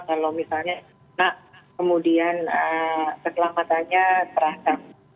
kalau misalnya kemudian keselamatannya terasa